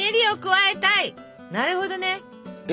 なるほどね。え？